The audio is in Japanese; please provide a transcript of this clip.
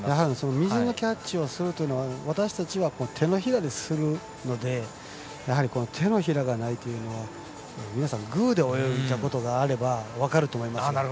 水のキャッチをするというのは私たちは手のひらでするので手のひらがないというのは皆さんグーで泳いだことがあれば分かると思います。